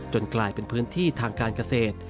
กลายเป็นพื้นที่ทางการเกษตร